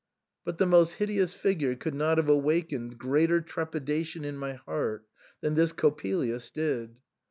But the most hideous figure could not have awakened greater trepidation in my heart than this Coppelius did.